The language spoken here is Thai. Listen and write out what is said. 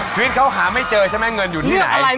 ชีวิตเขาหาไม่เจอใช่ไหมเงินอยู่ที่ไหน